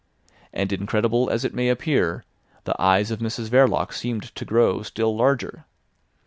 And incredible as it may appear, the eyes of Mrs Verloc seemed to grow still larger.